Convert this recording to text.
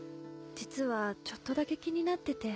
実はちょっとだけ気になってて。